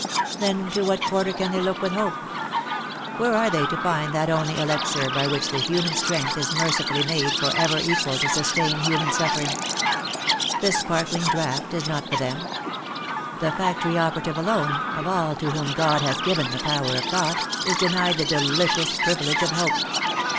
Then to what quarter can they look with hope ? Where are they to find that only elixir by which human strength is mercifully made for ever equal to sustain human suffering ? The sparkling draught is not for them ! The factory operative alone, of all to"*whom God has given the power of thought, is denied the delicious privilege of hope.